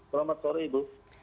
selamat sore ibu